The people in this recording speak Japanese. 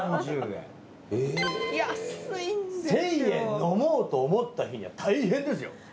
１，０００円飲もうと思った日には大変ですよ。